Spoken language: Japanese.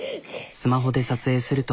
スマホで撮影すると。